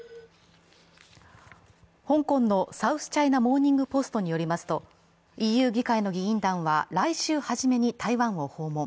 香港の「サウスチャイナ・モーニング・ポスト」によりますと、ＥＵ議会の議員団は来週初めに台湾を訪問。